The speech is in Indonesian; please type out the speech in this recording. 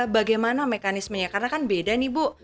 bagaimana mekanismenya karena kan beda nih bu